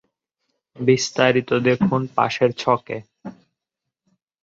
বিস্তারিত দেখুন পাশের ছকে।